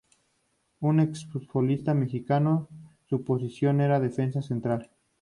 Es un exfutbolista mexicano su posición era defensa central.